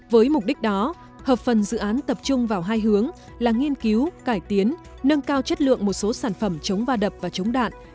với mục đích đó hợp phần dự án tập trung vào hai hướng là nghiên cứu cải tiến nâng cao chất lượng một số sản phẩm chống va đập và chống đạn